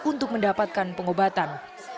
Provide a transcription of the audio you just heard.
untuk mendapatkan pengobatan